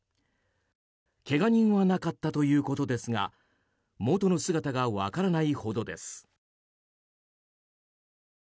けが人はなかったということですが元の姿が分からないほどです。